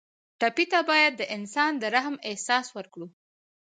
ټپي ته باید د انسان د رحم احساس ورکړو.